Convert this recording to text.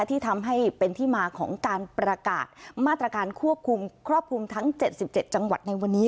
ที่ทำให้เป็นที่มาของการประกาศมาตรการควบคุมครอบคลุมทั้ง๗๗จังหวัดในวันนี้